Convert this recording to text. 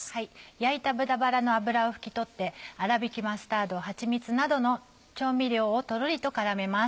焼いた豚バラの脂を拭き取ってあらびきマスタードはちみつなどの調味料をとろりと絡めます。